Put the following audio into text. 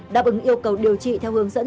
đáp ứng yêu cầu điều trị theo hướng dẫn